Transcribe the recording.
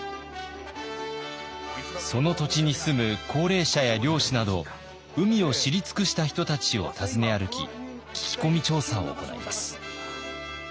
その土地に住む高齢者や漁師など海を知り尽くした人たちを訪ね歩き聞き込み調査を行います。